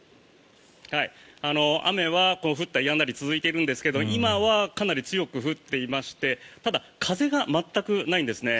雨は降ったりやんだり続いているんですが今はかなり強く降っていましてただ、風が全くないんですね。